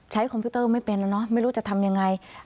คอมพิวเตอร์ไม่เป็นแล้วเนอะไม่รู้จะทำยังไง